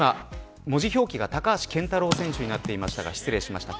文字表記が高橋健太郎選手になっていましたが失礼しました。